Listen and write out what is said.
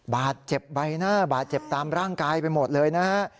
บาดเจ็บใบหน้าบาดเจ็บตามร่างกายไปหมดเลยนะฮะ